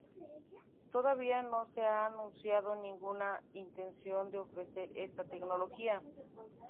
Todavía no se ha anunciado ninguna intención de ofrecer esta tecnología.